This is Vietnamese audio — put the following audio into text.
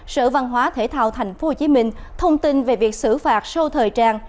sở văn hóa thể thao tp hcm thông tin về việc xử phạt sâu thời trang